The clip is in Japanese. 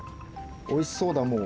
おいしそうだもう。